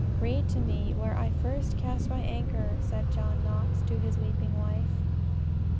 "Read to me where I first cast my anchor," said John Knox to his weeping wife.